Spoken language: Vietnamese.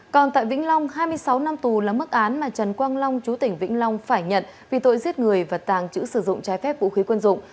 còn tại vĩnh long hai mươi sáu năm tù là mức án mà trần quang long chú tỉnh vĩnh long phải nhận vì tội giết người và tàng trữ sử dụng trái phép vũ khí quân dụng